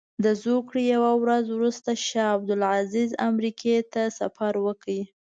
د زوکړې یوه ورځ وروسته شاه عبدالعزیز امریکې ته سفر وکړ.